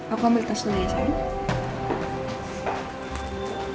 aku ambil tas dulu ya sayang